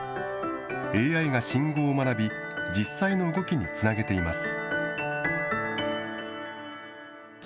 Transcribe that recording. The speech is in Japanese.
ＡＩが信号を学び、実際の動きにつなげています。